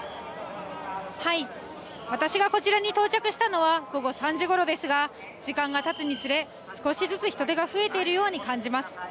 私がこちらに到着したのは午後３時ごろですが、時間がたつにつれ、少しずつ人出が増えているように感じます。